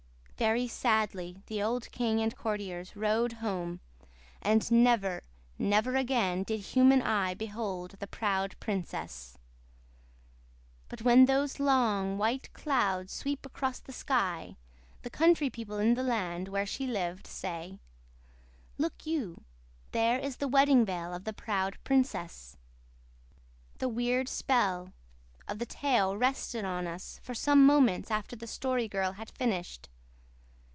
Very sadly the old king and courtiers rode home, and never, never again did human eye behold the proud princess. But when those long, white clouds sweep across the sky, the country people in the land where she lived say, 'Look you, there is the Wedding Veil of the Proud Princess.'" The weird spell of the tale rested on us for some moments after the Story Girl had finished.